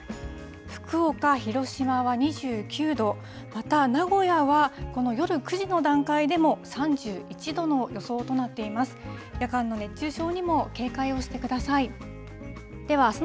福岡、広島は２９度、また名古屋は、この夜９時の段階でも３１度の予想となっています。